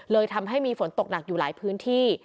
ทำให้มีฝนตกหนักอยู่หลายพื้นที่